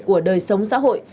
của đời sống xã hội